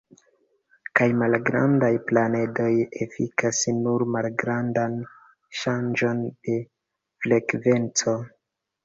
Kaj malgrandaj planedoj efikas nur malgrandan ŝanĝon de frekvenco.